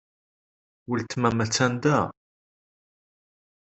Weltma-m attan da?